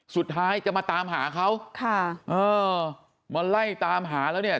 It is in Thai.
สุดท้ายจะมาตามหาเขาค่ะเออมาไล่ตามหาแล้วเนี่ย